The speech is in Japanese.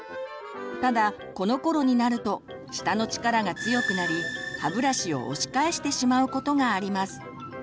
ただこのころになると舌の力が強くなり歯ブラシを押し返してしまうことがあります。